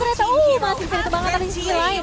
ternyata masih di tembakan dari sini lain